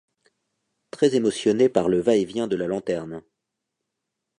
très émotionnée par le va-et-vient de la lanterne.